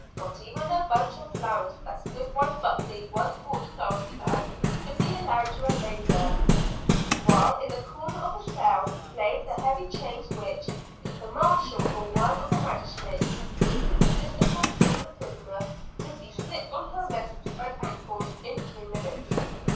Not even a bunch of flowers that Goodwife Buckley once brought to Dulcibel, could be allowed to remain there. While in a corner of the cell, lay the heavy chains which, if the marshal or one of the magistrates, should insist upon seeing the prisoner, could be slipped on her wrists and ankles in a few minutes.